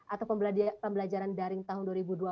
atau pembelajaran daring tahun dua ribu dua puluh